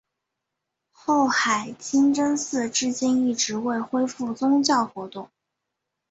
后海清真寺至今一直未恢复宗教活动。